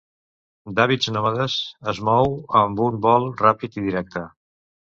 D'hàbits nòmades, es mou amb un vol ràpid i directe.